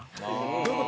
どういう事？